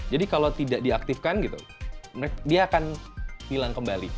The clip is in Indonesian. jadi kalau tidak diaktifkan gitu dia akan hilang kembali